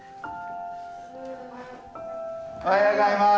おはようございます！